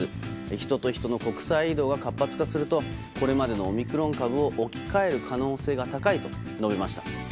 人と人の国際移動が活発化するとこれまでのオミクロン株を置き換える可能性が高いと述べました。